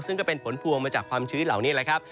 ซึ่งก็เป็นผลพวงมาจากความชีวิตเหล่านี้